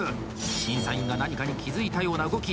審査委員が何かに気付いたような動き。